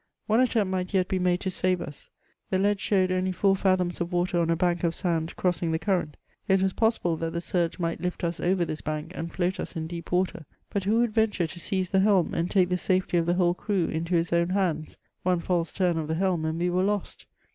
One attempt might yet be made to save us ; the lead showed only four fathoms of water on a bank of sand crossing the cur rent ; it was possible that the surge might lifb us over this bank, and float us in deep water ; but who would venture to seize the helm, and take the safety of the whole crew into his own hands ? one fisdse turn of the helm and we were lost.